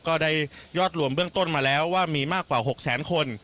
ก็ได้ยอดรวมเบื้องต้นมาแล้วว่ามีมากกว่า๖แสนคน